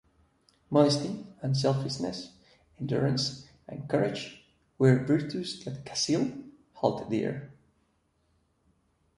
Modesty, unselfishness, endurance, and courage were virtues that Kassil held dear.